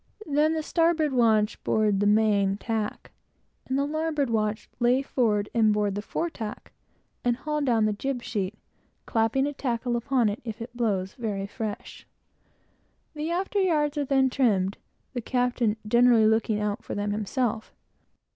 Then the starboard watch board the main tack, and the larboard watch lay forward and board the fore tack and haul down the jib sheet, clapping a tackle upon it, if it blows very fresh. The after yards are then trimmed, the captain generally looking out for them himself.